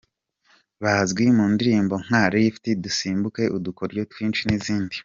Bazwi mu ndirimbo nka Lift, Dusimbuke, Udukoryo twinshi n’izindi.